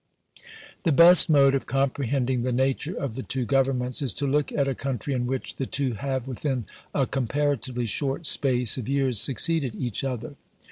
The best mode of comprehending the nature of the two Governments, is to look at a country in which the two have within a comparatively short space of years succeeded each other.